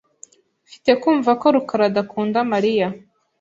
Mfite kumva ko rukara adakunda Mariya .